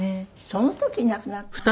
その時亡くなったの？